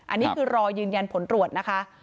อันนี้คือรอยืนยันผลตรวจนะคะ